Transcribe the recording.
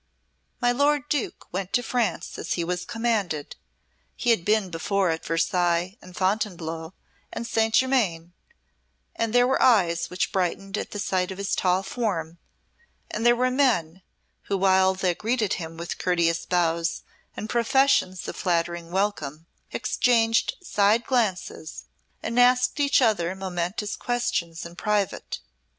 My lord Duke went to France as he was commanded; he had been before at Versailles and Fontainebleau and Saint Germain, and there were eyes which brightened at the sight of his tall form, and there were men who while they greeted him with courteous bows and professions of flattering welcome exchanged side glances and asked each other momentous questions in private.